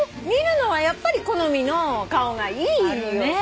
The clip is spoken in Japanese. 見るのはやっぱり好みの顔がいいよ。